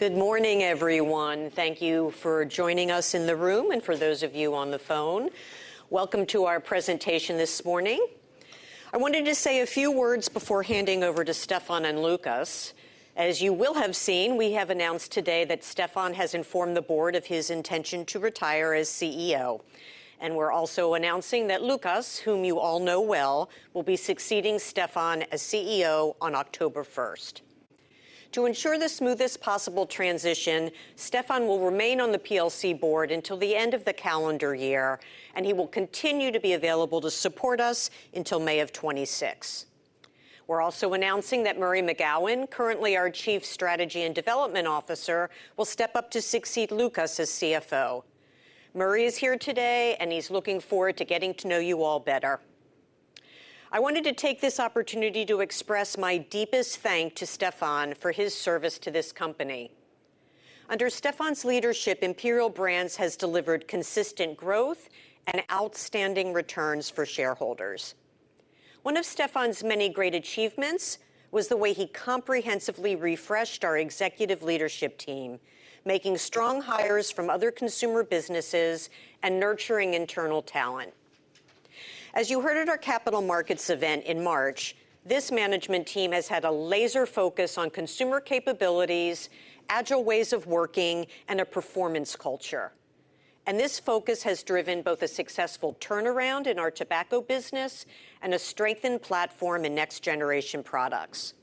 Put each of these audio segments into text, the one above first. Good morning, everyone. Thank you for joining us in the room, and for those of you on the phone, welcome to our presentation this morning. I wanted to say a few words before handing over to Stefan and Lukas. As you will have seen, we have announced today that Stefan has informed the board of his intention to retire as CEO. We are also announcing that Lukas, whom you all know well, will be succeeding Stefan as CEO on October 1. To ensure the smoothest possible transition, Stefan will remain on the board until the end of the calendar year, and he will continue to be available to support us until May of 2026. We are also announcing that Murray McGowan, currently our Chief Strategy and Development Officer, will step up to succeed Lukas as CFO. Murray is here today, and he's looking forward to getting to know you all better. I wanted to take this opportunity to express my deepest thanks to Stefan for his service to this company. Under Stefan's leadership, Imperial Brands has delivered consistent growth and outstanding returns for shareholders. One of Stefan's many great achievements was the way he comprehensively refreshed our Executive Leadership team, making strong hires from other consumer businesses and nurturing internal talent. As you heard at our Capital Markets event in March, this management team has had a laser focus on consumer capabilities, agile ways of working, and a performance culture. This focus has driven both a successful turnaround in our tobacco business and a strengthened platform in next-generation products.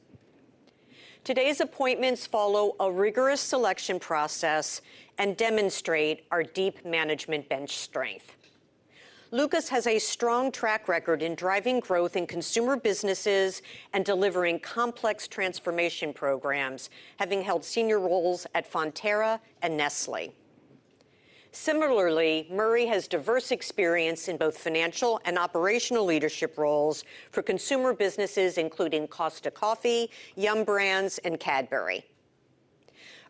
Today's appointments follow a rigorous selection process and demonstrate our deep management bench strength. Lukas has a strong track record in driving growth in consumer businesses and delivering complex transformation programs, having held senior roles at Fonterra and Nestlé. Similarly, Murray has diverse experience in both financial and operational leadership roles for consumer businesses, including Costa Coffee, Yum! Brands, and Cadbury.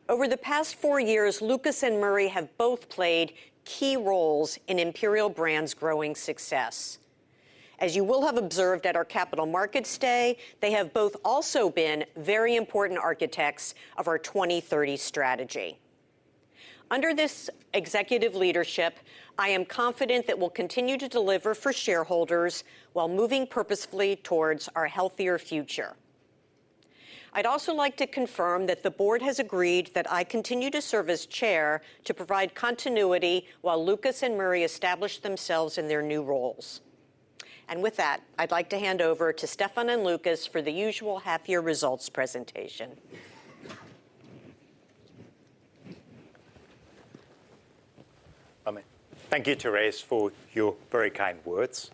Over the past four years, Lukas and Murray have both played key roles in Imperial Brands' growing success. As you will have observed at our Capital Markets Day, they have both also been very important architects of our 2030 strategy. Under this Executive Leadership, I am confident that we'll continue to deliver for shareholders while moving purposefully towards our healthier future. I'd also like to confirm that the board has agreed that I continue to serve as Chair to provide continuity while Lukas and Murray establish themselves in their new roles. With that, I'd like to hand over to Stefan and Lukas for the usual half-year results presentation. Thank you, Thérèse, for your very kind words.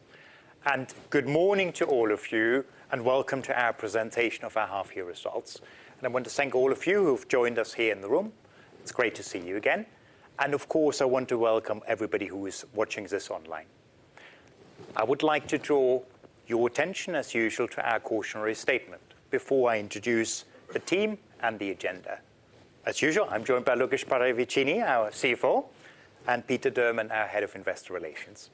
Good morning to all of you, and welcome to our presentation of our half-year results. I want to thank all of you who have joined us here in the room. It is great to see you again. I also want to welcome everybody who is watching this online. I would like to draw your attention, as usual, to our cautionary statement before I introduce the team and the agenda. As usual, I am joined by Lukas Paravicini, our CFO, and Peter Durman, our Head of Investor Relations.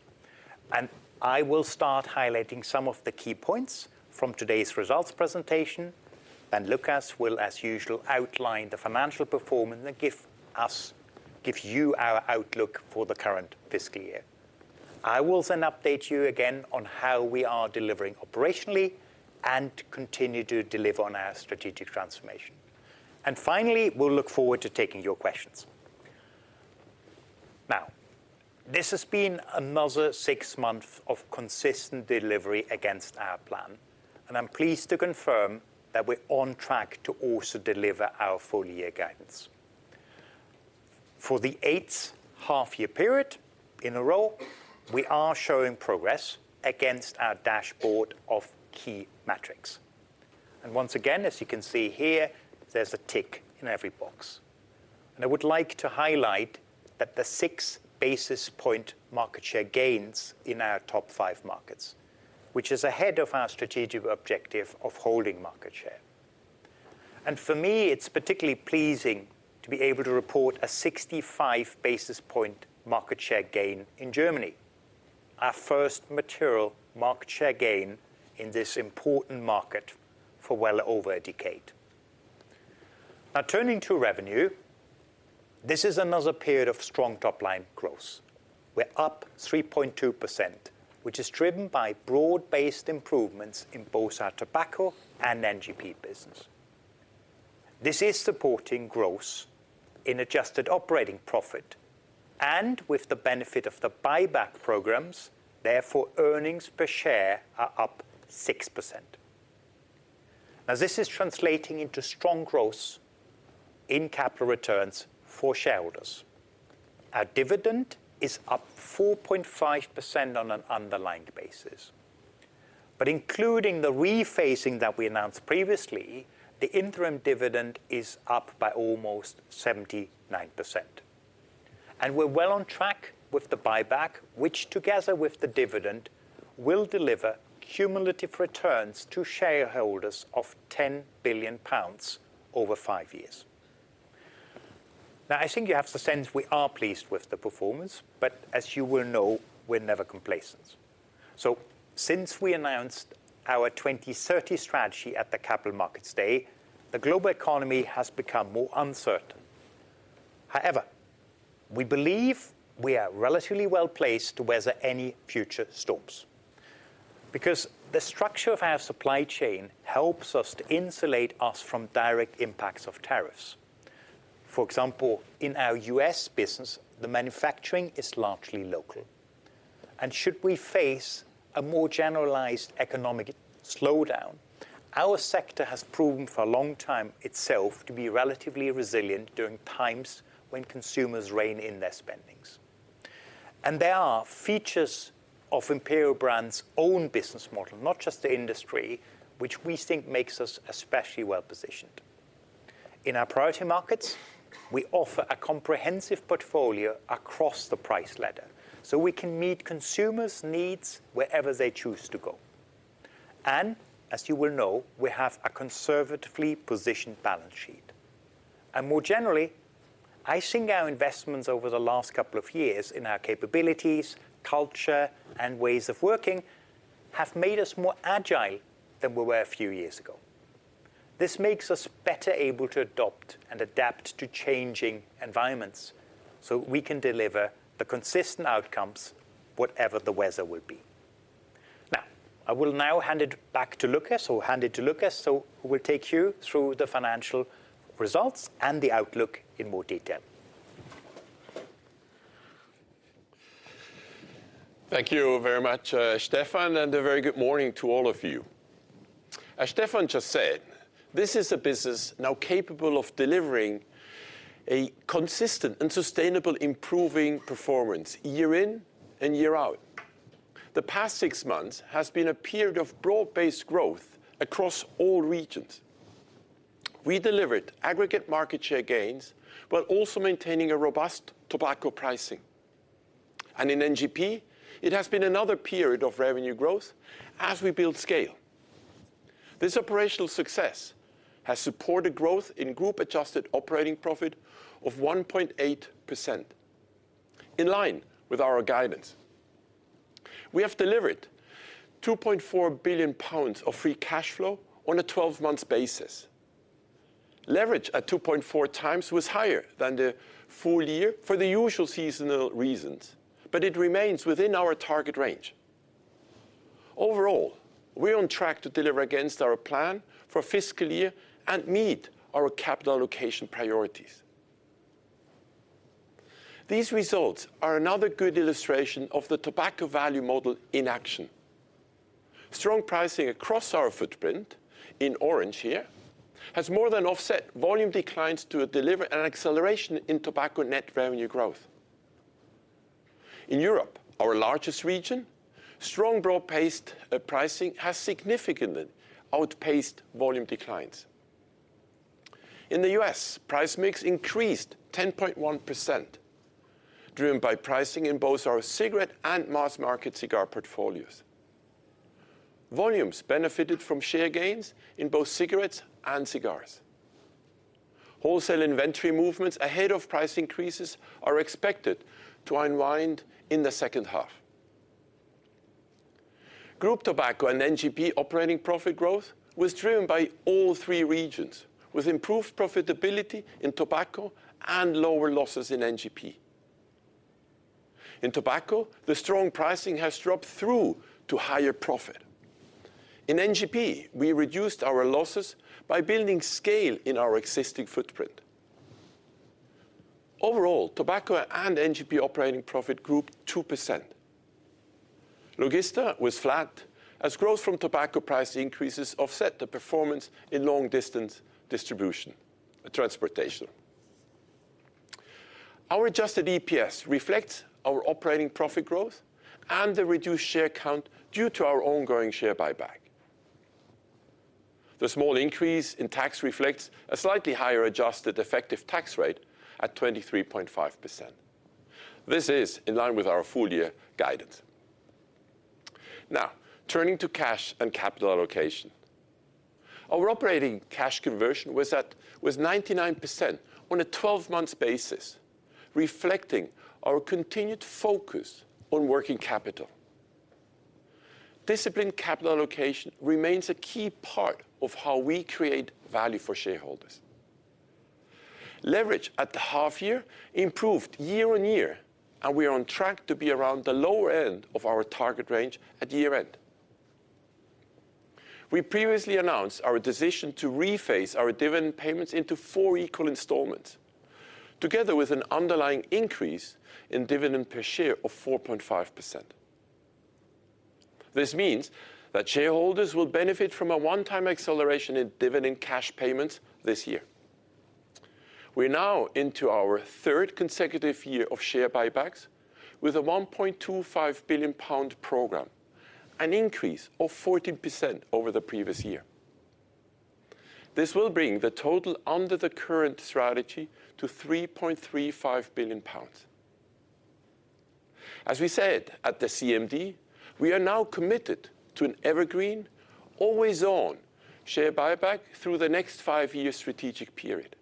I will start highlighting some of the key points from today's results presentation. Lukas will, as usual, outline the financial performance that gives us, gives you our outlook for the current fiscal year. I will then update you again on how we are delivering operationally and continue to deliver on our strategic transformation. Finally, we'll look forward to taking your questions. Now, this has been another six months of consistent delivery against our plan. I'm pleased to confirm that we're on track to also deliver our full-year guidance. For the eighth half-year period in a row, we are showing progress against our dashboard of key metrics. Once again, as you can see here, there's a tick in every box. I would like to highlight the six basis point market share gains in our top five markets, which is ahead of our strategic objective of holding market share. For me, it's particularly pleasing to be able to report a 65 basis point market share gain in Germany, our first material market share gain in this important market for well over a decade. Now, turning to revenue, this is another period of strong top-line growth. We're up 3.2%, which is driven by broad-based improvements in both our tobacco and NGP business. This is supporting growth in adjusted operating profit and with the benefit of the buyback programs. Therefore, earnings per share are up 6%. This is translating into strong growth in capital returns for shareholders. Our dividend is up 4.5% on an underlying basis. Including the refacing that we announced previously, the interim dividend is up by almost 79%. We're well on track with the buyback, which together with the dividend will deliver cumulative returns to shareholders of 10 billion pounds over five years. Now, I think you have the sense we are pleased with the performance, but as you will know, we're never complacent. Since we announced our 2030 strategy at the Capital Markets Day, the global economy has become more uncertain. However, we believe we are relatively well placed to weather any future storms because the structure of our supply chain helps us to insulate us from direct impacts of tariffs. For example, in our U.S. business, the manufacturing is largely local. Should we face a more generalized economic slowdown, our sector has proven for a long time itself to be relatively resilient during times when consumers rein in their spendings. There are features of Imperial Brands' own business model, not just the industry, which we think makes us especially well positioned. In our priority markets, we offer a comprehensive portfolio across the price ladder so we can meet consumers' needs wherever they choose to go. As you will know, we have a conservatively positioned balance sheet. More generally, I think our investments over the last couple of years in our capabilities, culture, and ways of working have made us more agile than we were a few years ago. This makes us better able to adopt and adapt to changing environments so we can deliver the consistent outcomes, whatever the weather will be. I will now hand it to Lukas, who will take you through the financial results and the outlook in more detail. Thank you very much, Stefan, and a very good morning to all of you. As Stefan just said, this is a business now capable of delivering a consistent and sustainable improving performance year in and year out. The past six months has been a period of broad-based growth across all regions. We delivered aggregate market share gains, while also maintaining a robust tobacco pricing. In NGP, it has been another period of revenue growth as we build scale. This operational success has supported growth in group-adjusted operating profit of 1.8%, in line with our guidance. We have delivered 2.4 billion pounds of free cash flow on a 12-month basis. Leverage at 2.4 times was higher than the full year for the usual seasonal reasons, but it remains within our target range. Overall, we're on track to deliver against our plan for fiscal year and meet our capital allocation priorities. These results are another good illustration of the tobacco value model in action. Strong pricing across our footprint, in orange here, has more than offset volume declines to deliver an acceleration in tobacco net revenue growth. In Europe, our largest region, strong broad-based pricing has significantly outpaced volume declines. In the U.S., price mix increased 10.1%, driven by pricing in both our cigarette and mass-market cigar portfolios. Volumes benefited from share gains in both cigarettes and cigars. Wholesale inventory movements ahead of price increases are expected to unwind in the second half. Group tobacco and NGP operating profit growth was driven by all three regions, with improved profitability in tobacco and lower losses in NGP. In tobacco, the strong pricing has dropped through to higher profit. In NGP, we reduced our losses by building scale in our existing footprint. Overall, tobacco and NGP operating profit grew 2%. Logista was flat, as growth from tobacco price increases offset the performance in long-distance distribution transportation. Our adjusted EPS reflects our operating profit growth and the reduced share count due to our ongoing share buyback. The small increase in tax reflects a slightly higher adjusted effective tax rate at 23.5%. This is in line with our full-year guidance. Now, turning to cash and capital allocation. Our operating cash conversion was at 99% on a 12-month basis, reflecting our continued focus on working capital. Disciplined capital allocation remains a key part of how we create value for shareholders. Leverage at the half-year improved year on year, and we are on track to be around the lower end of our target range at year-end. We previously announced our decision to reface our dividend payments into four equal installments, together with an underlying increase in dividend per share of 4.5%. This means that shareholders will benefit from a one-time acceleration in dividend cash payments this year. We're now into our third consecutive year of share buybacks with a 1.25 billion pound program, an increase of 40% over the previous year. This will bring the total under the current strategy to 3.35 billion pounds. As we said at the CMD, we are now committed to an Evergreen, always-on share buyback through the next five-year strategic period.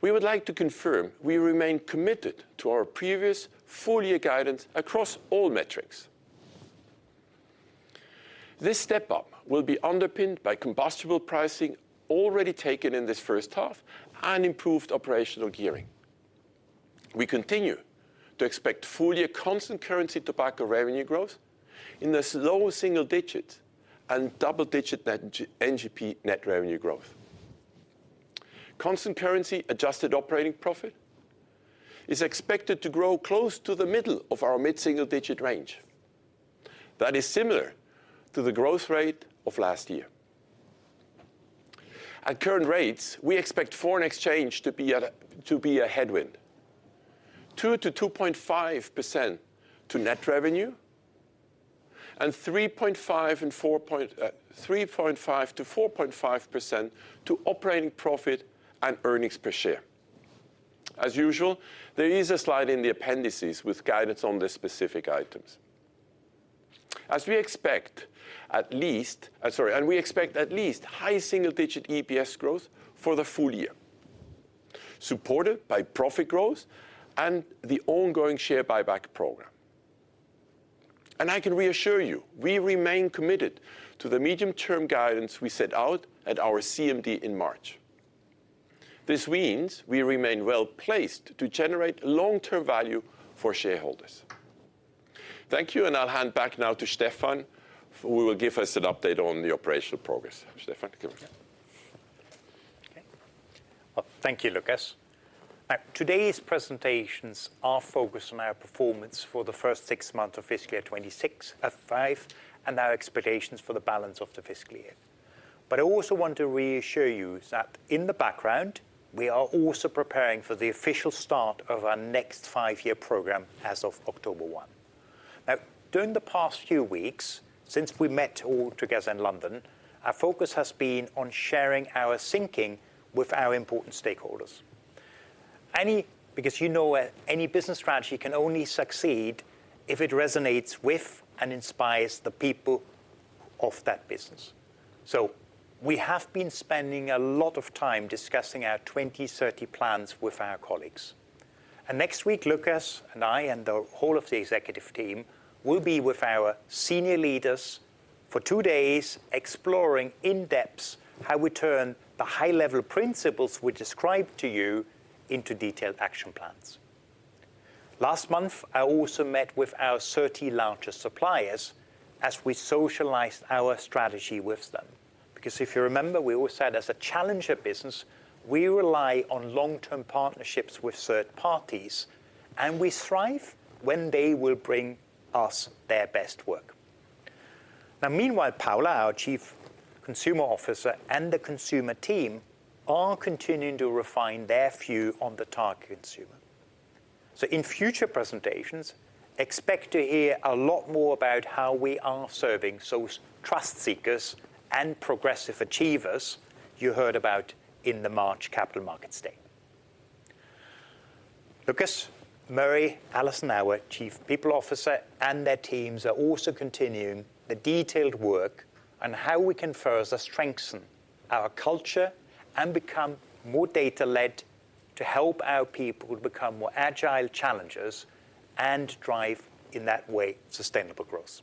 We would like to confirm we remain committed to our previous full-year guidance across all metrics. This step-up will be underpinned by combustible pricing already taken in this first half and improved operational gearing. We continue to expect full-year constant currency tobacco revenue growth in the low single-digit and double-digit NGP net revenue growth. Constant currency adjusted operating profit is expected to grow close to the middle of our mid-single-digit range. That is similar to the growth rate of last year. At current rates, we expect foreign exchange to be a headwind, 2%-2.5% to net revenue, and 3.5%-4.5% to operating profit and earnings per share. As usual, there is a slide in the appendices with guidance on the specific items. We expect at least, sorry, and we expect at least high single-digit EPS growth for the full year, supported by profit growth and the ongoing share buyback program. I can reassure you, we remain committed to the medium-term guidance we set out at our CMD in March. This means we remain well placed to generate long-term value for shareholders. Thank you, and I'll hand back now to Stefan, who will give us an update on the operational progress. Stefan, come here. Thank you, Lukas. Today's presentations are focused on our performance for the first six months of fiscal year 2026 at five and our expectations for the balance of the fiscal year. I also want to reassure you that in the background, we are also preparing for the official start of our next five-year program as of October 1. Now, during the past few weeks, since we met all together in London, our focus has been on sharing our thinking with our important stakeholders. Because you know any business strategy can only succeed if it resonates with and inspires the people of that business. We have been spending a lot of time discussing our 2030 plans with our colleagues. Next week, Lukas and I and the whole of the executive team will be with our senior leaders for two days, exploring in-depth how we turn the high-level principles we described to you into detailed action plans. Last month, I also met with our 30 largest suppliers as we socialized our strategy with them. If you remember, we always said as a challenger business, we rely on long-term partnerships with third parties, and we strive when they will bring us their best work. Meanwhile, Paula, our Chief Consumer Officer, and the consumer team are continuing to refine their view on the target consumer. In future presentations, expect to hear a lot more about how we are serving those trust seekers and progressive achievers you heard about in the March Capital Markets Day. Lukas, Murray, Alison, our Chief People Officer, and their teams are also continuing the detailed work on how we can further strengthen our culture and become more data-led to help our people become more agile challengers and drive, in that way, sustainable growth.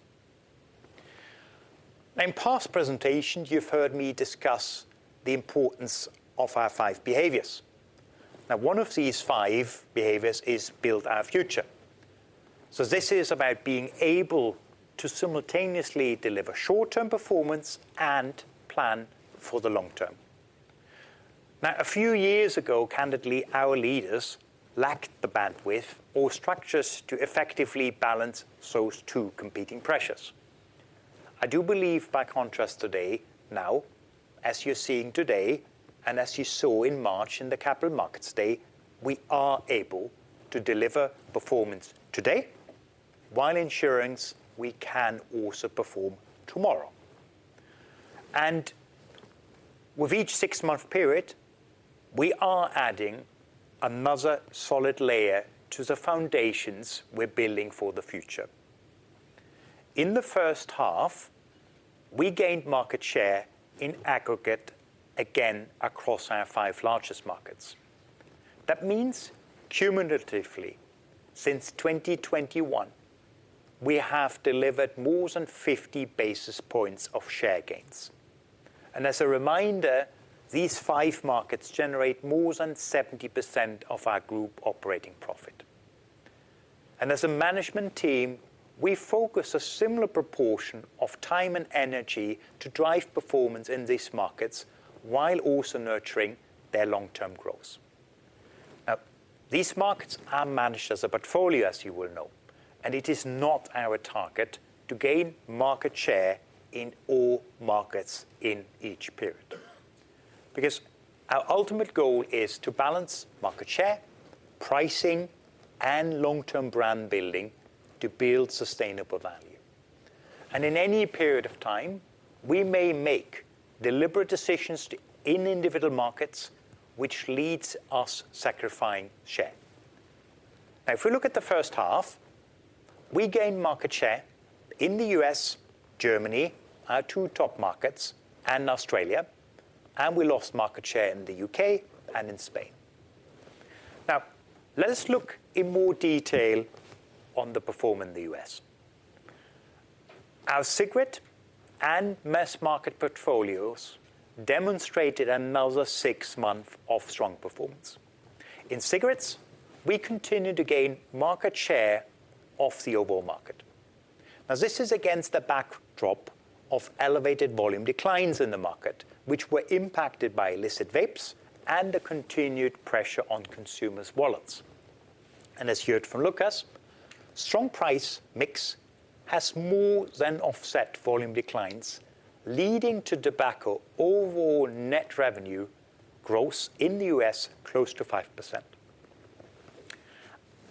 In past presentations, you have heard me discuss the importance of our five behaviors. Now, one of these five behaviors is build our future. This is about being able to simultaneously deliver short-term performance and plan for the long-term. A few years ago, candidly, our leaders lacked the bandwidth or structures to effectively balance those two competing pressures. I do believe, by contrast, today, as you are seeing today, and as you saw in March in the Capital Markets Day, we are able to deliver performance today while ensuring we can also perform tomorrow. With each six-month period, we are adding another solid layer to the foundations we're building for the future. In the first half, we gained market share in aggregate again across our five largest markets. That means cumulatively, since 2021, we have delivered more than 50 basis points of share gains. As a reminder, these five markets generate more than 70% of our group operating profit. As a management team, we focus a similar proportion of time and energy to drive performance in these markets while also nurturing their long-term growth. These markets are managed as a portfolio, as you will know, and it is not our target to gain market share in all markets in each period. Our ultimate goal is to balance market share, pricing, and long-term brand building to build sustainable value. In any period of time, we may make deliberate decisions in individual markets, which leads us to sacrifice share. If we look at the first half, we gained market share in the U.S., Germany, our two top markets, and Australia, and we lost market share in the U.K. and in Spain. Let us look in more detail on the performance in the U.S. Our cigarette and mass-market portfolios demonstrated another six months of strong performance. In cigarettes, we continue to gain market share of the overall market. This is against the backdrop of elevated volume declines in the market, which were impacted by illicit vapes and the continued pressure on consumers' wallets. As you heard from Lukas, strong price mix has more than offset volume declines, leading to tobacco overall net revenue growth in the U.S. close to 5%.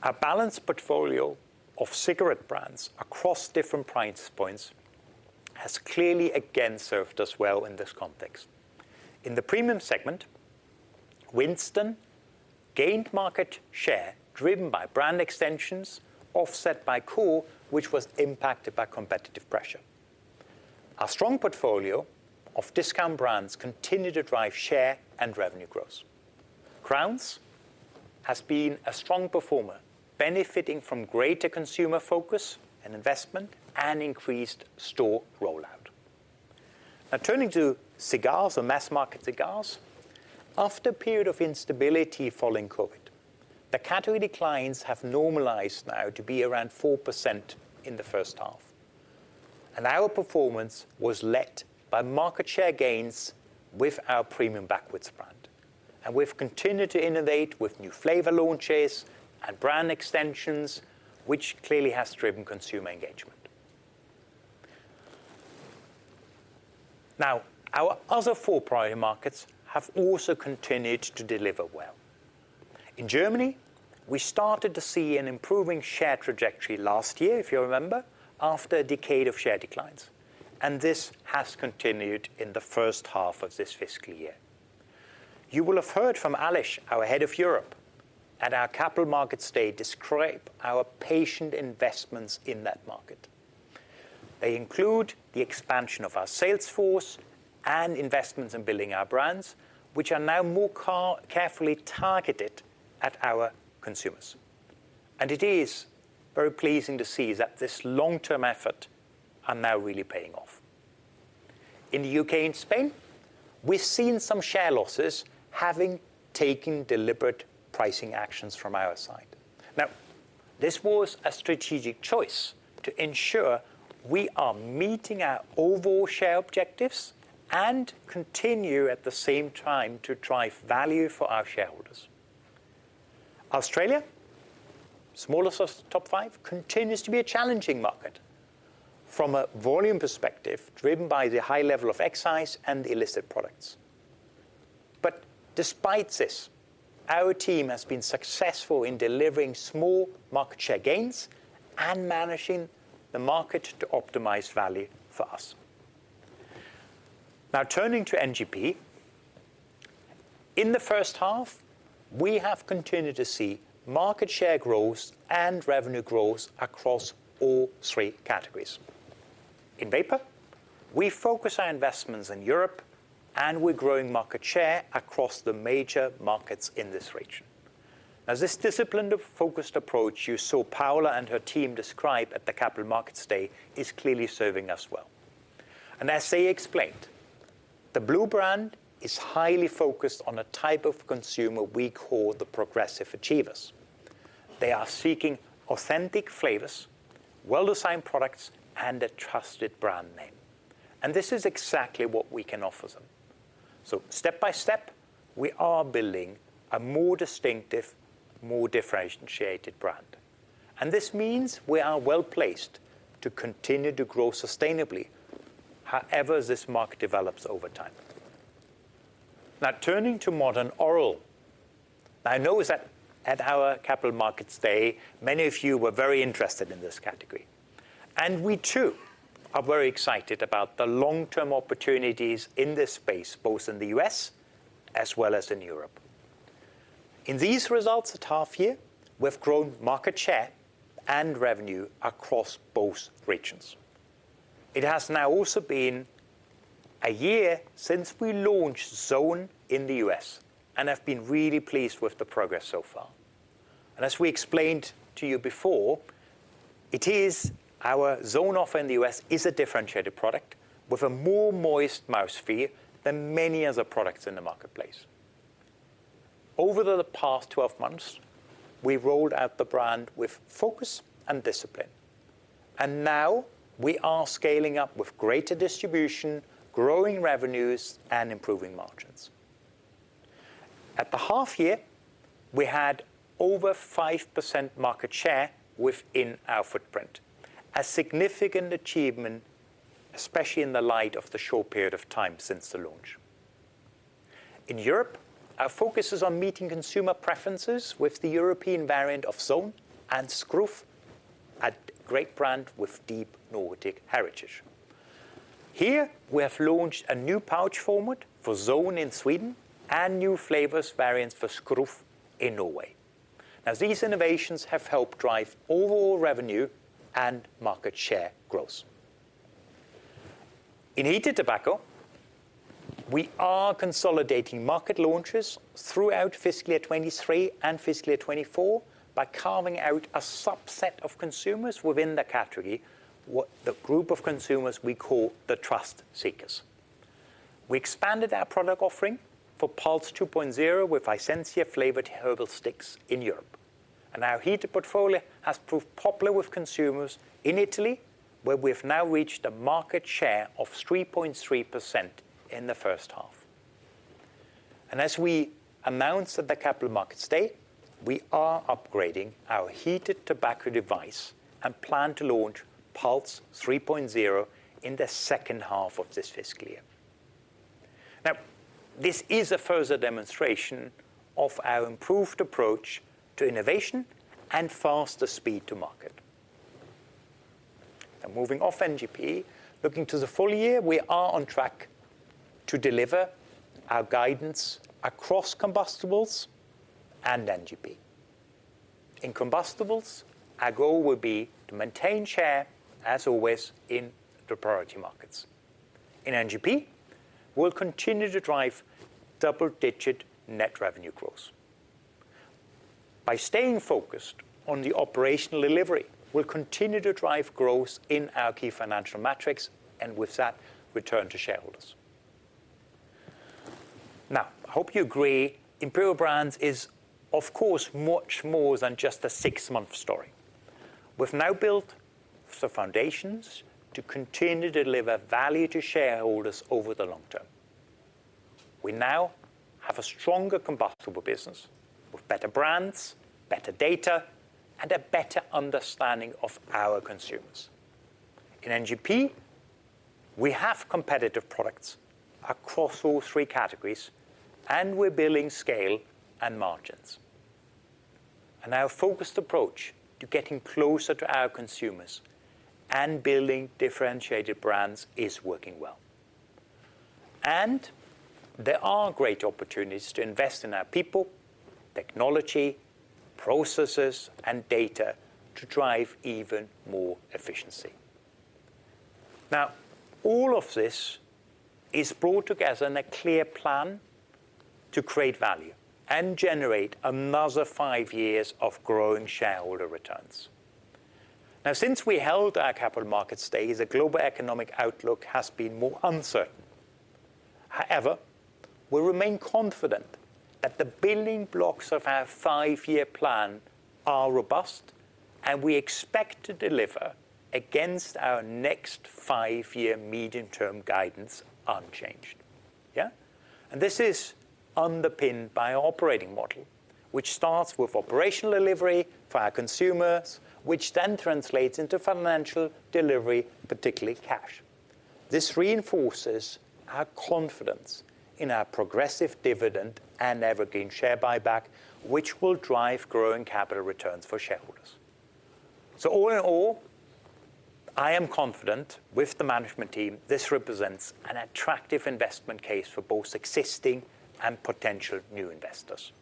Our balanced portfolio of cigarette brands across different price points has clearly again served us well in this context. In the premium segment, Winston gained market share driven by brand extensions offset by KOOL, which was impacted by competitive pressure. Our strong portfolio of discount brands continued to drive share and revenue growth. Crowns has been a strong performer, benefiting from greater consumer focus and investment and increased store rollout. Now, turning to cigars or mass-market cigars, after a period of instability following COVID, the category declines have normalized now to be around 4% in the first half. Our performance was led by market share gains with our premium Backwoods brand. We have continued to innovate with new flavor launches and brand extensions, which clearly has driven consumer engagement. Now, our other four priority markets have also continued to deliver well. In Germany, we started to see an improving share trajectory last year, if you remember, after a decade of share declines. This has continued in the first half of this fiscal year. You will have heard from Alain, our Head of Europe, at our Capital Markets Day describe our patient investments in that market. They include the expansion of our sales force and investments in building our brands, which are now more carefully targeted at our consumers. It is very pleasing to see that this long-term effort is now really paying off. In the U.K. and Spain, we've seen some share losses having taken deliberate pricing actions from our side. This was a strategic choice to ensure we are meeting our overall share objectives and continue at the same time to drive value for our shareholders. Australia, smallest of the top five, continues to be a challenging market from a volume perspective driven by the high level of excise and illicit products. Despite this, our team has been successful in delivering small market share gains and managing the market to optimize value for us. Now, turning to NGP, in the first half, we have continued to see market share growth and revenue growth across all three categories. In vapor, we focus our investments in Europe, and we're growing market share across the major markets in this region. This discipline-focused approach you saw Paula and her team describe at the Capital Markets Day is clearly serving us well. As they explained, the BLU brand is highly focused on a type of consumer we call the progressive achievers. They are seeking authentic flavors, well-designed products, and a trusted brand name. This is exactly what we can offer them. Step by step, we are building a more distinctive, more differentiated brand. This means we are well placed to continue to grow sustainably, however this market develops over time. Now, turning to modern oral, I know that at our Capital Markets Day, many of you were very interested in this category. We, too, are very excited about the long-term opportunities in this space, both in the U.S. as well as in Europe. In these results at half year, we have grown market share and revenue across both regions. It has now also been a year since we launched Zone in the U.S. and have been really pleased with the progress so far. As we explained to you before, our Zone offer in the U.S. is a differentiated product with a more moist mouthfeel than many other products in the marketplace. Over the past 12 months, we rolled out the brand with focus and discipline. Now we are scaling up with greater distribution, growing revenues, and improving margins. At the half year, we had over 5% market share within our footprint, a significant achievement, especially in the light of the short period of time since the launch. In Europe, our focus is on meeting consumer preferences with the European variant of Zone and Skruf, a great brand with deep Nordic heritage. Here, we have launched a new pouch format for Zone in Sweden and new flavor variants for Skruf in Norway. These innovations have helped drive overall revenue and market share growth. In heated tobacco, we are consolidating market launches throughout fiscal year 2023 and fiscal year 2024 by carving out a subset of consumers within the category, the group of consumers we call the trust seekers. We expanded our product offering for Pulze 2.0 with Sence-flavored herbal sticks in Europe. Our heated portfolio has proved popular with consumers in Italy, where we have now reached a market share of 3.3% in the first half. As we announced at the Capital Markets Day, we are upgrading our heated tobacco device and plan to launch Pulze 3.0 in the second half of this fiscal year. This is a further demonstration of our improved approach to innovation and faster speed to market. Moving off NGP, looking to the full year, we are on track to deliver our guidance across combustibles and NGP. In combustibles, our goal will be to maintain share, as always, in the priority markets. In NGP, we'll continue to drive double-digit net revenue growth. By staying focused on the operational delivery, we'll continue to drive growth in our key financial metrics and with that, return to shareholders. Now, I hope you agree, Imperial Brands is, of course, much more than just a six-month story. We've now built the foundations to continue to deliver value to shareholders over the long-term. We now have a stronger combustible business with better brands, better data, and a better understanding of our consumers. In NGP, we have competitive products across all three categories, and we're building scale and margins. Our focused approach to getting closer to our consumers and building differentiated brands is working well. There are great opportunities to invest in our people, technology, processes, and data to drive even more efficiency. All of this is brought together in a clear plan to create value and generate another five years of growing shareholder returns. Since we held our Capital Markets Day, the global economic outlook has been more uncertain. However, we remain confident that the building blocks of our five-year plan are robust, and we expect to deliver against our next five-year medium-term guidance unchanged. Yeah? This is underpinned by our operating model, which starts with operational delivery for our consumers, which then translates into financial delivery, particularly cash. This reinforces our confidence in our progressive dividend and Evergreen share buyback, which will drive growing capital returns for shareholders. All in all, I am confident with the management team this represents an attractive investment case for both existing and potential new investors.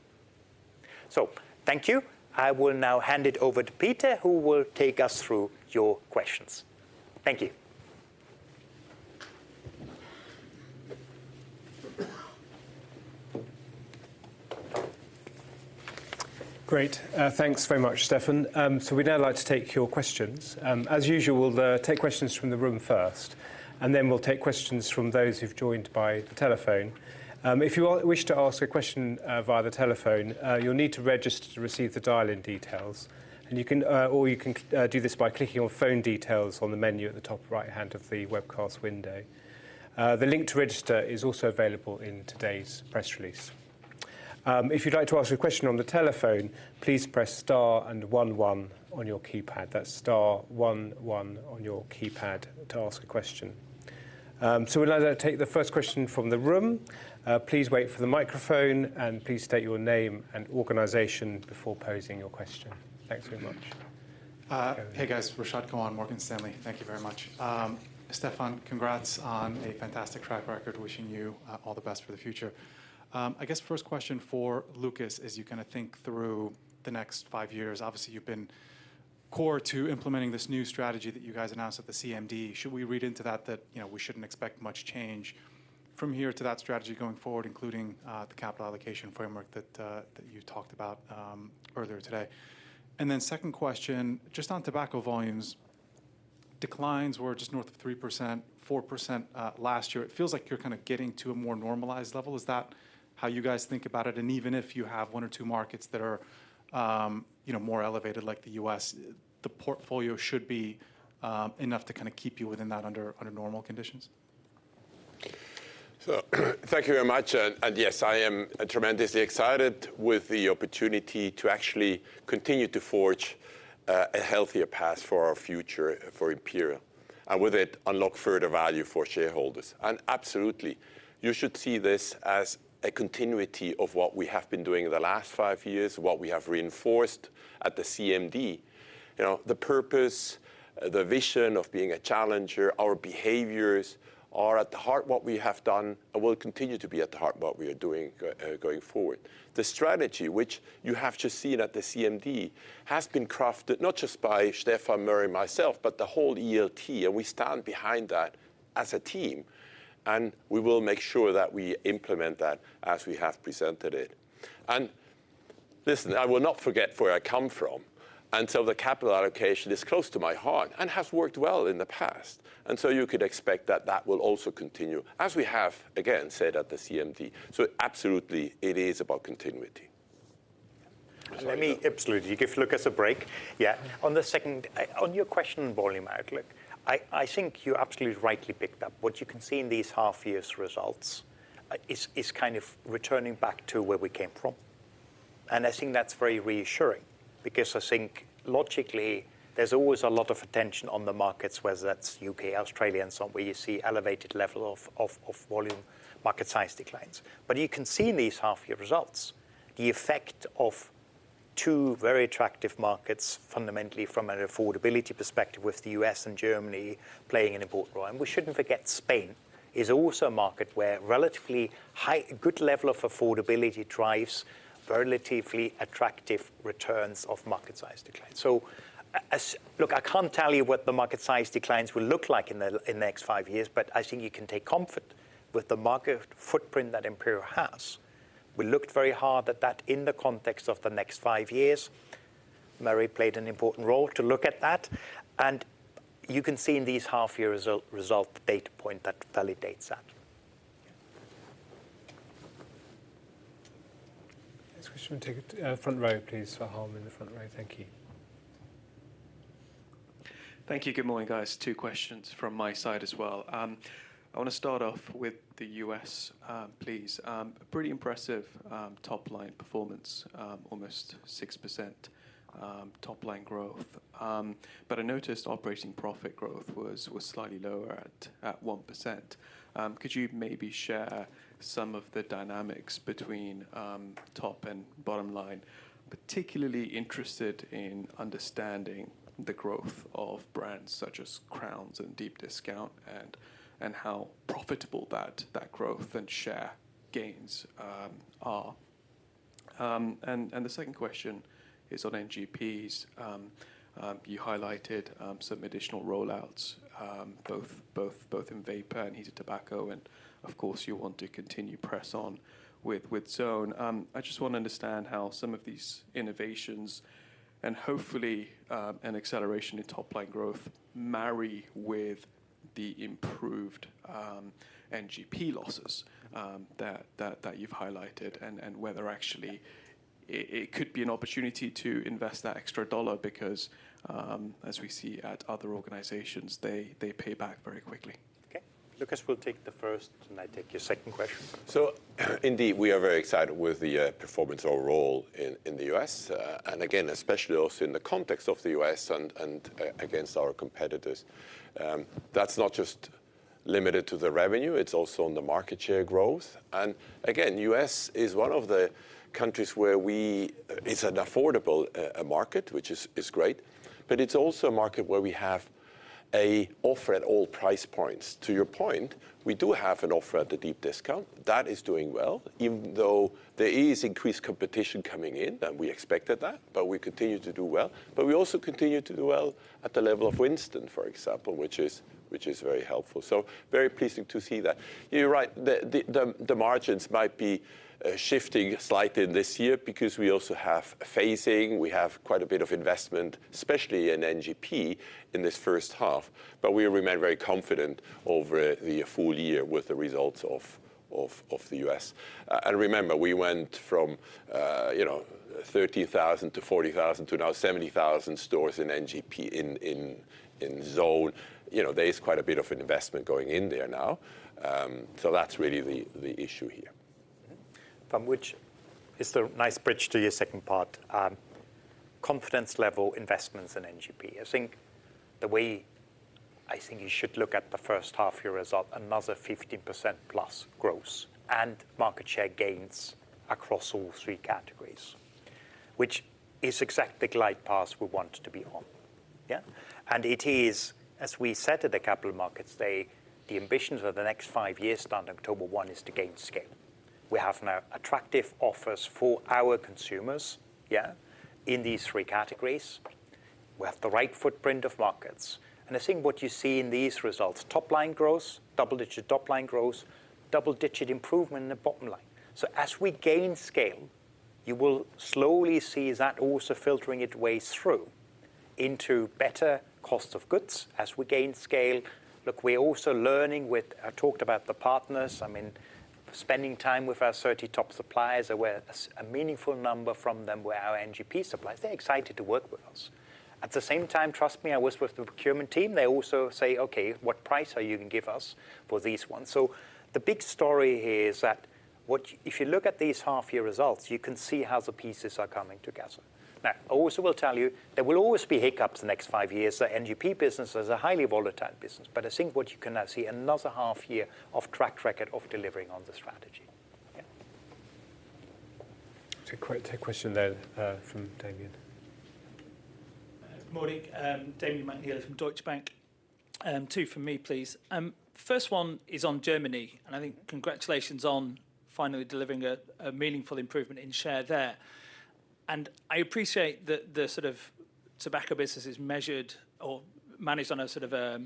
Thank you. I will now hand it over to Peter, who will take us through your questions. Thank you. Great. Thanks very much, Stefan. We would now like to take your questions. As usual, we will take questions from the room first, and then we will take questions from those who have joined by the telephone. If you wish to ask a question via the telephone, you will need to register to receive the dial-in details. You can do this by clicking on phone details on the menu at the top right-hand of the webcast window. The link to register is also available in today's press release. If you would like to ask a question on the telephone, please press star and one-one on your keypad. That is star one-one on your keypad to ask a question. We would like to take the first question from the room. Please wait for the microphone, and please state your name and organization before posing your question. Thanks very much. Hey, guys. Rashad Kawan, Morgan Stanley. Thank you very much. Stefan, congrats on a fantastic track record, wishing you all the best for the future. I guess first question for Lukas is you kind of think through the next five years. Obviously, you've been core to implementing this new strategy that you guys announced at the CMD. Should we read into that that we shouldn't expect much change from here to that strategy going forward, including the capital allocation framework that you talked about earlier today? Second question, just on tobacco volumes, declines were just north of 3%-4% last year. It feels like you're kind of getting to a more normalized level. Is that how you guys think about it? Even if you have one or two markets that are more elevated, like the U.S., the portfolio should be enough to kind of keep you within that under normal conditions? Thank you very much. Yes, I am tremendously excited with the opportunity to actually continue to forge a healthier path for our future for Imperial, and with it unlock further value for shareholders. Absolutely, you should see this as a continuity of what we have been doing the last five years, what we have reinforced at the CMD. The purpose, the vision of being a challenger, our behaviors are at the heart of what we have done and will continue to be at the heart of what we are doing going forward. The strategy, which you have just seen at the CMD, has been crafted not just by Stefan, Murray, myself, but the whole ELT. We stand behind that as a team. We will make sure that we implement that as we have presented it. I will not forget where I come from until the capital allocation is close to my heart and has worked well in the past. You could expect that that will also continue, as we have, again, said at the CMD. Absolutely, it is about continuity. Let me absolutely give Lukas a break. Yeah. On the second, on your question volume outlook, I think you absolutely rightly picked up. What you can see in these half-year results is kind of returning back to where we came from. I think that's very reassuring because I think logically, there's always a lot of attention on the markets, whether that's U.K., Australia, and so on, where you see elevated levels of volume, market size declines. You can see in these half-year results the effect of two very attractive markets, fundamentally from an affordability perspective with the U.S. and Germany playing an important role. We shouldn't forget Spain is also a market where relatively high, good level of affordability drives relatively attractive returns of market size declines. Look, I can't tell you what the market size declines will look like in the next five years, but I think you can take comfort with the market footprint that Imperial Brands has. We looked very hard at that in the context of the next five years. Murray played an important role to look at that. You can see in these half-year results the data point that validates that. Next question, we'll take it front row, please. Harm in the front row. Thank you. Thank you. Good morning, guys. Two questions from my side as well. I want to start off with the U.S., please. Pretty impressive top-line performance, almost 6% top-line growth. I noticed operating profit growth was slightly lower at 1%. Could you maybe share some of the dynamics between top and bottom line? Particularly interested in understanding the growth of brands such as Crowns and Deep Discount and how profitable that growth and share gains are. The second question is on NGPs. You highlighted some additional rollouts, both in vapor and heated tobacco. Of course, you want to continue press on with Zone. I just want to understand how some of these innovations and hopefully an acceleration in top-line growth marry with the improved NGP losses that you've highlighted and whether actually it could be an opportunity to invest that extra dollar because as we see at other organizations, they pay back very quickly. Okay. Lukas, we'll take the first and I take your second question. Indeed, we are very excited with the performance overall in the U.S. Again, especially also in the context of the U.S. and against our competitors. That's not just limited to the revenue. It's also on the market share growth. Again, the U.S. is one of the countries where it's an affordable market, which is great. It's also a market where we have an offer at all price points. To your point, we do have an offer at the deep discount that is doing well, even though there is increased competition coming in, and we expected that, but we continue to do well. We also continue to do well at the level of Winston, for example, which is very helpful. Very pleased to see that. You're right. The margins might be shifting slightly this year because we also have phasing. We have quite a bit of investment, especially in NGP, in this first half. We remain very confident over the full year with the results of the U.S. Remember, we went from 30,000-40,000 to now 70,000 stores in NGP in Zone. There is quite a bit of investment going in there now. That is really the issue here. From which is the nice bridge to your second part, confidence level investments in NGP. I think the way I think you should look at the first half-year result, another 15%+ growth and market share gains across all three categories, which is exactly the glide path we want to be on. Yeah? It is, as we said at the Capital Markets Day, the ambitions for the next five years starting October 1 is to gain scale. We have now attractive offers for our consumers, yeah, in these three categories. We have the right footprint of markets. I think what you see in these results, top-line growth, double-digit top-line growth, double-digit improvement in the bottom line. As we gain scale, you will slowly see that also filtering its way through into better cost of goods as we gain scale. Look, we're also learning with I talked about the partners. I mean, spending time with our 30 top suppliers where a meaningful number from them were our NGP suppliers. They're excited to work with us. At the same time, trust me, I was with the procurement team. They also say, "Okay, what price are you going to give us for these ones?" The big story here is that if you look at these half-year results, you can see how the pieces are coming together. I also will tell you there will always be hiccups the next five years. The NGP business is a highly volatile business. I think what you can now see, another half-year of track record of delivering on the strategy. Yeah. Quick question there from Damien. Morning. Damien McNeill from Deutsche Bank. Two from me, please. First one is on Germany. I think congratulations on finally delivering a meaningful improvement in share there. I appreciate that the sort of tobacco business is measured or managed on a sort of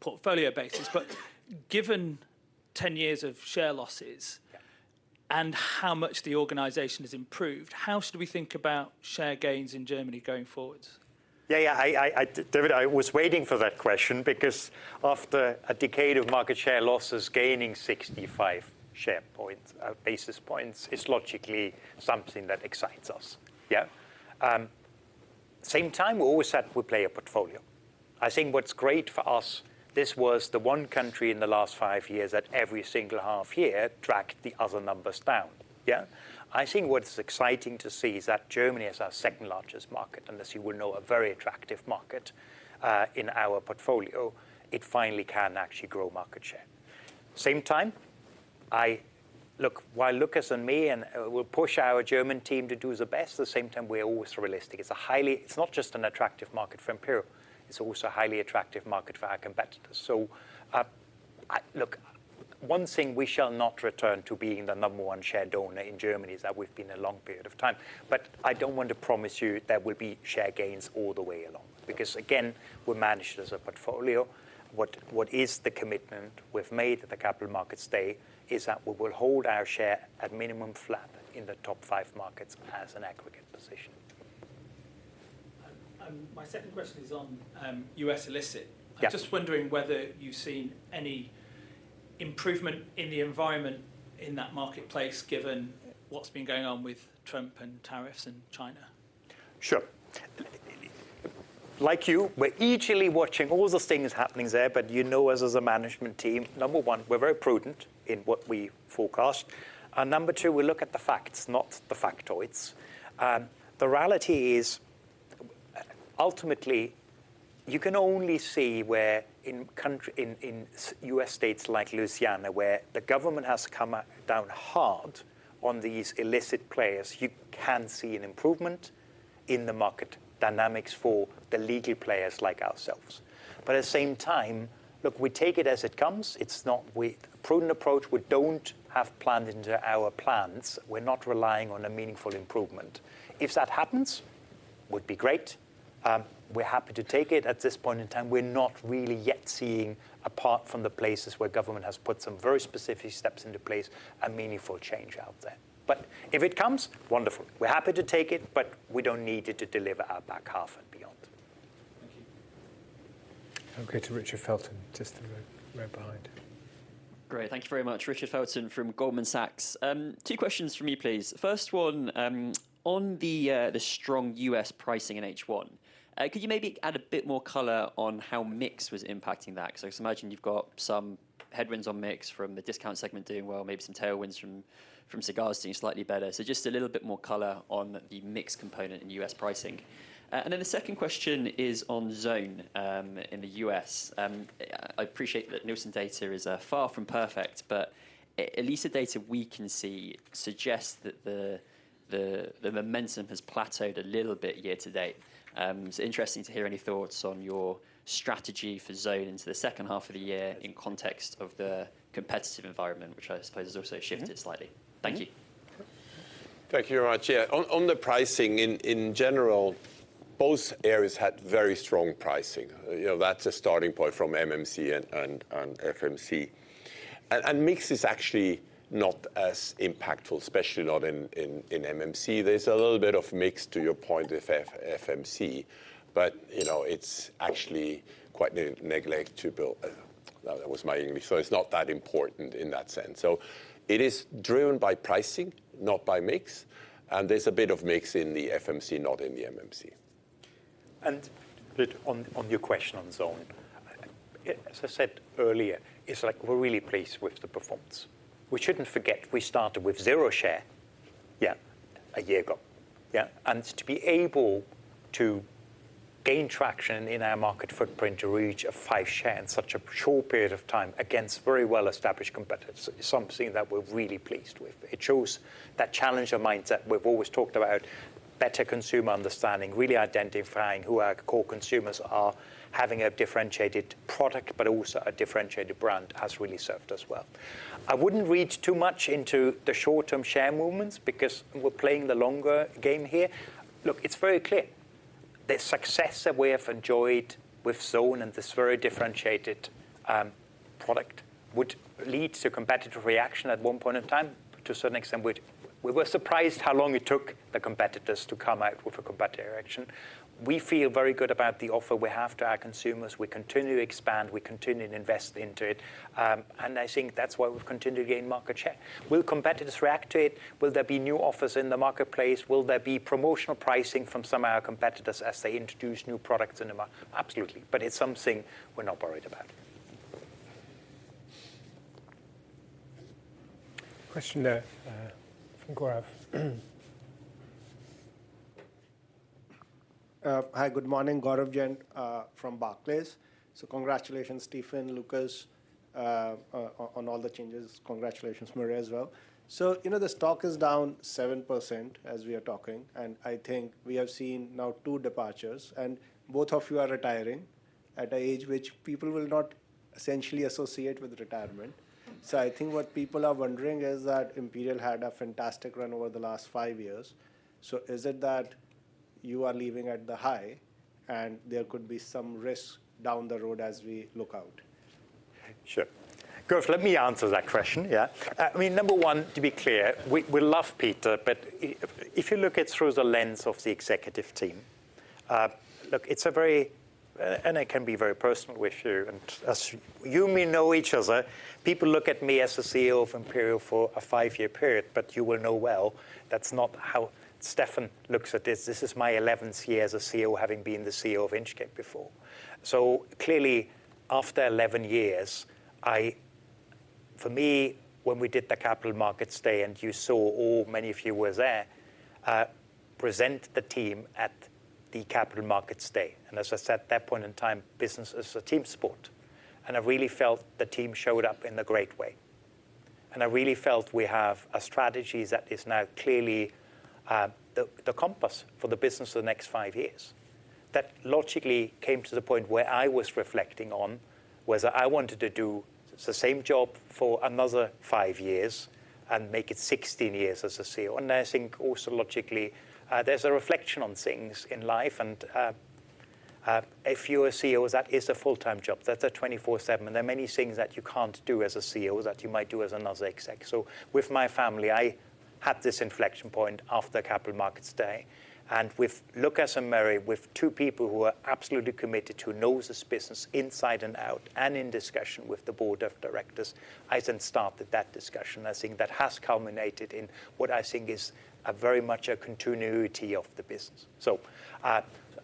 portfolio basis. Given 10 years of share losses and how much the organization has improved, how should we think about share gains in Germany going forwards? Yeah, yeah. David, I was waiting for that question because after a decade of market share losses, gaining 65 basis points, it's logically something that excites us. Yeah? At the same time, we always said we play a portfolio. I think what's great for us, this was the one country in the last five years that every single half-year tracked the other numbers down. Yeah? I think what's exciting to see is that Germany is our second largest market. And as you will know, a very attractive market in our portfolio. It finally can actually grow market share. At the same time, look, while Lukas and me and we'll push our German team to do the best, at the same time, we're always realistic. It's not just an attractive market for Imperial. It's also a highly attractive market for our competitors. Look, one thing we shall not return to being the number one share donor in Germany is that we've been a long period of time. I do not want to promise you there will be share gains all the way along. Again, we are managed as a portfolio. The commitment we have made at the Capital Markets Day is that we will hold our share at minimum flat in the top five markets as an aggregate position. My second question is on U.S. illicit. I'm just wondering whether you've seen any improvement in the environment in that marketplace given what's been going on with Trump and tariffs and China. Sure. Like you, we're eagerly watching all those things happening there. You know us as a management team, number one, we're very prudent in what we forecast. Number two, we look at the facts, not the factoids. The reality is, ultimately, you can only see where in U.S. states like Louisiana, where the government has come down hard on these illicit players, you can see an improvement in the market dynamics for the legal players like ourselves. At the same time, look, we take it as it comes. It's with a prudent approach. We don't have it planned into our plans. We're not relying on a meaningful improvement. If that happens, would be great. We're happy to take it at this point in time. We're not really yet seeing, apart from the places where government has put some very specific steps into place, a meaningful change out there. If it comes, wonderful. We're happy to take it, but we don't need it to deliver our back half and beyond. Thank you. I'll go to Richard Felton, just right behind. Great. Thank you very much, Richard Felton from Goldman Sachs. Two questions from me, please. First one, on the strong U.S. pricing in H1, could you maybe add a bit more color on how mix was impacting that? Because I imagine you've got some headwinds on mix from the discount segment doing well, maybe some tailwinds from cigars doing slightly better. Just a little bit more color on the mix component in U.S pricing. The second question is on Zone in the U.S. I appreciate that Nielsen data is far from perfect, but at least the data we can see suggests that the momentum has plateaued a little bit year to date. It's interesting to hear any thoughts on your strategy for Zone into the second half of the year in context of the competitive environment, which I suppose has also shifted slightly. Thank you. Thank you very much. Yeah. On the pricing in general, both areas had very strong pricing. That is a starting point from MMC and FMC. Mix is actually not as impactful, especially not in MMC. There is a little bit of mix to your point with FMC, but it is actually quite negligible. That was my English. It is not that important in that sense. It is driven by pricing, not by mix. There is a bit of mix in the FMC, not in the MMC. A bit on your question on Zone. As I said earlier, we are really pleased with the performance. We should not forget we started with zero share a year ago. Yeah? To be able to gain traction in our market footprint, to reach a 5% share in such a short period of time against very well-established competitors, it's something that we're really pleased with. It shows that challenge of mindset we've always talked about, better consumer understanding, really identifying who our core consumers are, having a differentiated product, but also a differentiated brand has really served us well. I wouldn't read too much into the short-term share movements because we're playing the longer game here. Look, it's very clear. The success that we have enjoyed with Zone and this very differentiated product would lead to competitive reaction at one point in time. To a certain extent, we were surprised how long it took the competitors to come out with a competitive reaction. We feel very good about the offer we have to our consumers. We continue to expand. We continue to invest into it. I think that's why we've continued to gain market share. Will competitors react to it? Will there be new offers in the marketplace? Will there be promotional pricing from some of our competitors as they introduce new products in the market? Absolutely. It's something we're not worried about. Question there from Gaurav. Hi, good morning, Gaurav Jain from Barclays. Congratulations, Stefan, Lukas, on all the changes. Congratulations, Murray, as well. You know the stock is down 7% as we are talking. I think we have seen now two departures. Both of you are retiring at an age which people will not essentially associate with retirement. I think what people are wondering is that Imperial had a fantastic run over the last five years. Is it that you are leaving at the high and there could be some risk down the road as we look out? Sure. Of course, let me answer that question. Yeah? I mean, number one, to be clear, we love Peter. If you look at it through the lens of the executive team, look, it is a very and it can be very personal with you. As you may know each other, people look at me as a CEO of Imperial for a five-year period. You will know well that is not how Stefan looks at this. This is my 11th year as a CEO, having been the CEO of Inchcape before. Clearly, after 11 years, for me, when we did the Capital Markets Day and you saw all, many of you were there, present the team at the Capital Markets Day. As I said at that point in time, business is a team sport. I really felt the team showed up in a great way. I really felt we have a strategy that is now clearly the compass for the business of the next five years. That logically came to the point where I was reflecting on whether I wanted to do the same job for another five years and make it 16 years as a CEO. I think also logically, there is a reflection on things in life. If you are a CEO, that is a full-time job. That is a 24/7. There are many things that you cannot do as a CEO that you might do as another Exec. With my family, I had this inflection point after Capital Markets Day. With Lukas and Murray, with two people who are absolutely committed to know this business inside and out and in discussion with the board of directors, I then started that discussion. I think that has culminated in what I think is very much a continuity of the business.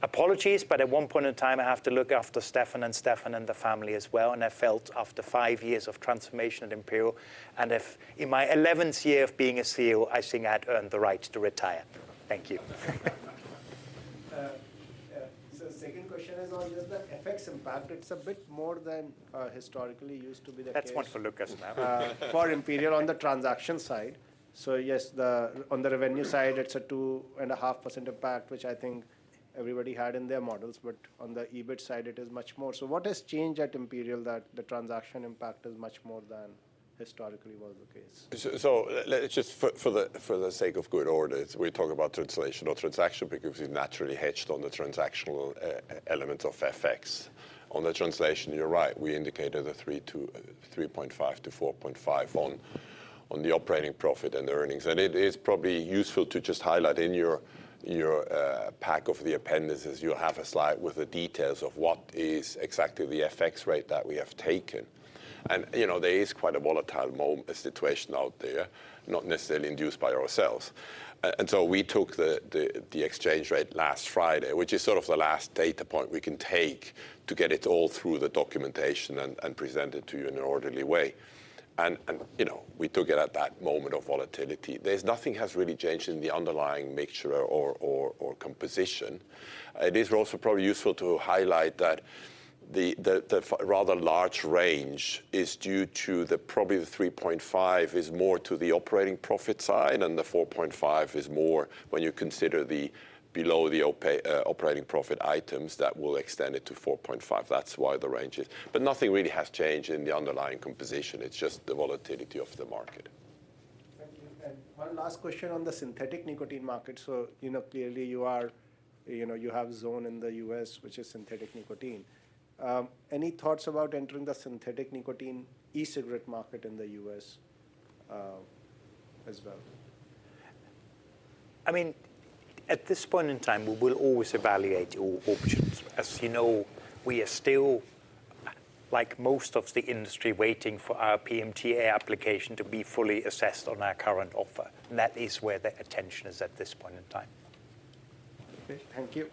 Apologies, but at one point in time, I have to look after Stefan and Stefan and the family as well. I felt, after five years of transformation at Imperial, and in my 11th year of being a CEO, I think I had earned the right to retire. Thank you. The second question is on just the effects impact. It's a bit more than historically used to be the case. That's one for Lukas now. For Imperial on the transaction side. Yes, on the revenue side, it is a 2.5% impact, which I think everybody had in their models. On the EBIT side, it is much more. What has changed at Imperial that the transaction impact is much more than historically was the case? Just for the sake of good order, we're talking about translation or transaction because we've naturally hedged on the transactional element of FX. On the translation, you're right. We indicated a 3.5-4.5% on the operating profit and earnings. It is probably useful to just highlight in your pack of the appendices, you'll have a slide with the details of what is exactly the FX rate that we have taken. There is quite a volatile situation out there, not necessarily induced by ourselves. We took the exchange rate last Friday, which is sort of the last data point we can take to get it all through the documentation and present it to you in an orderly way. We took it at that moment of volatility. Nothing has really changed in the underlying mixture or composition. It is also probably useful to highlight that the rather large range is due to the probably the 3.5 is more to the operating profit side. The 4.5 is more when you consider the below the operating profit items that will extend it to 4.5. That is why the range is. Nothing really has changed in the underlying composition. It is just the volatility of the market. Thank you. One last question on the synthetic nicotine market. Clearly, you have Zone in the U.S, which is synthetic nicotine. Any thoughts about entering the synthetic nicotine e-cigarette market in the U.S. as well? I mean, at this point in time, we will always evaluate all options. As you know, we are still, like most of the industry, waiting for our PMTA application to be fully assessed on our current offer. That is where the attention is at this point in time. Thank you.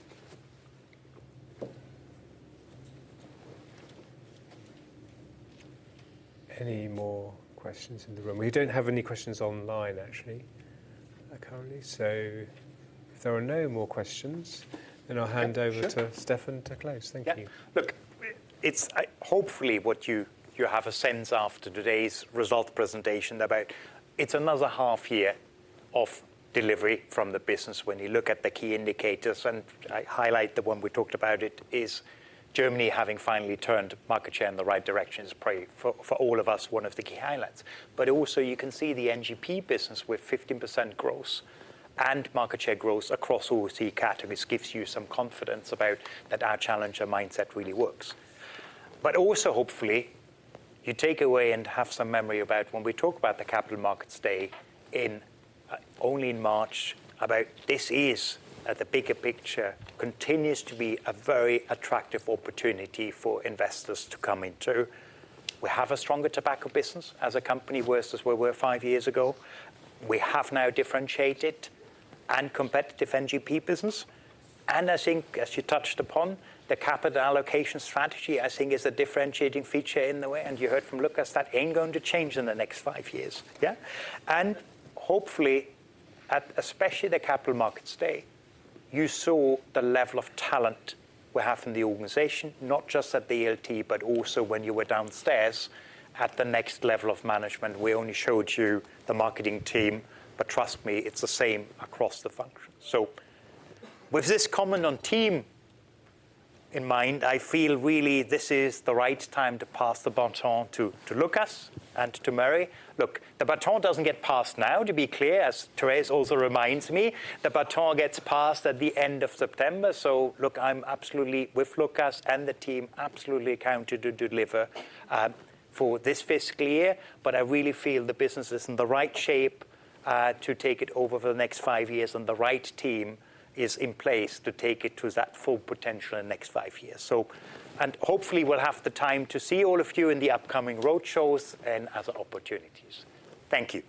Any more questions in the room? We do not have any questions online, actually, currently. If there are no more questions, then I will hand over to Stefan to close. Thank you. Look, hopefully, what you have a sense after today's result presentation about it's another half-year of delivery from the business when you look at the key indicators. I highlight the one we talked about, it is Germany having finally turned market share in the right direction is probably, for all of us, one of the key highlights. Also, you can see the NGP business with 15% growth and market share growth across all three categories gives you some confidence about that our challenger mindset really works. Also, hopefully, you take away and have some memory about when we talk about the Capital Markets Day only in March, about this is, at the bigger picture, continues to be a very attractive opportunity for investors to come into. We have a stronger tobacco business as a company, worse as where we were five years ago. We have now differentiated and competitive NGP business. I think, as you touched upon, the capital allocation strategy, I think, is a differentiating feature in the way. You heard from Lukas that ain't going to change in the next five years. Yeah? Hopefully, especially the Capital Markets Day, you saw the level of talent we have in the organization, not just at the ELT, but also when you were downstairs at the next level of management. We only showed you the marketing team. Trust me, it's the same across the function. With this comment on team in mind, I feel really this is the right time to pass the baton to Lukas and to Murray. Look, the baton doesn't get passed now, to be clear, as Thérèse also reminds me. The baton gets passed at the end of September. I'm absolutely with Lukas and the team absolutely accounted to deliver for this fiscal year. I really feel the business is in the right shape to take it over for the next five years and the right team is in place to take it to that full potential in the next five years. Hopefully, we'll have the time to see all of you in the upcoming roadshows and other opportunities. Thank you.